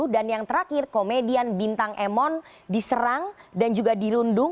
dan yang terakhir komedian bintang emon diserang dan juga dirundung